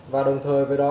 và đồng thời với đó